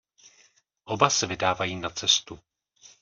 Oba se vydávají na cestu.